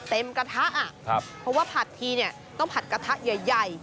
กระทะเพราะว่าผัดทีเนี่ยต้องผัดกระทะใหญ่